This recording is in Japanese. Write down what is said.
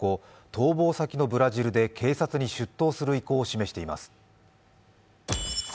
逃亡先のブラジルで警察に出頭する意向を示しています。